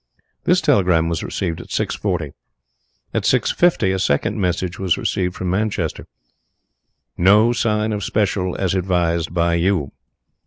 This telegram was received at six forty. At six fifty a second message was received from Manchester "No sign of special as advised by you."